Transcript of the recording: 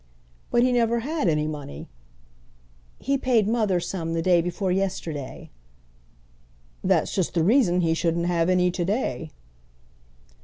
"But he never had any money." "He paid mother some the day before yesterday." "That's just the reason he shouldn't have any to day."